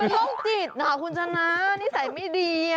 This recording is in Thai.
เป็นโรคจิตนะคะคุณชนะนิสัยไม่ดีอ่ะ